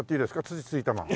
土ついたまま。